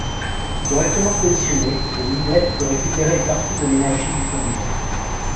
Correctement positionné, le winglet peut récupérer une partie de l'énergie du tourbillon.